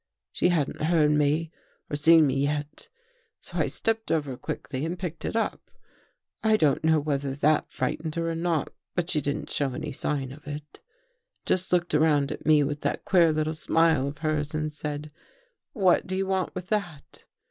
She hadn't heard me or seen me yet, so I stepped over quickly and picked it up. I don't know whether that frightened her or not, but she didn't show any sign of it — just looked around at me with that queer little smile of hers and said: "'What do you want with that?